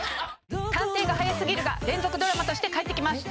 『探偵が早すぎる』が連続ドラマとして帰ってきます！